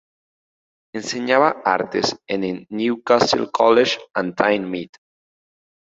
Enseñaba artes en el Newcastle College and Tyne Met.